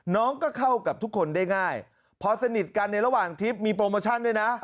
น้องก็เข้ากับทุกคนได้ง่ายพอสนิทกันในระหว่างทริปมีโปรโมชั่นด้วยนะ